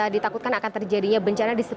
ditakutkan akan terjadinya bencana